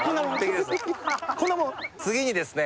次にですね